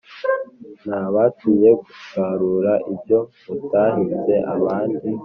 Nabatumye gusarura ibyo mutahinze abandi